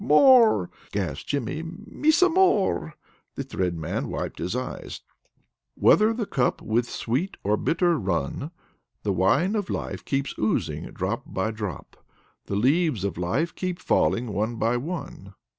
"More!" gasped Jimmy. "Me some more!" The Thread Man wiped his eyes. "Wether the cup with sweet or bitter run, The wine of life keeps oozing drop by drop, The leaves of life keep falling one by one."